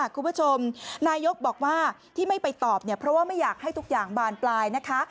คุณผู้ชมนายกบอกว่าที่ไม่ไปตอบเนี่ยเพราะว่าไม่อยากให้ทุกอย่างบานปลายนะคะ